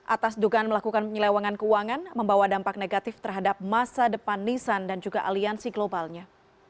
atas dugaan melakukan penyelewangan keuangan membawa dampak negatif terhadap masa depan lisan dan juga aliansi globalnya